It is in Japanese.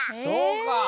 そうか。